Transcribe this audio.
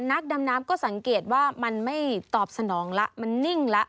นักดำน้ำก็สังเกตว่ามันไม่ตอบสนองละมันนิ่งแล้ว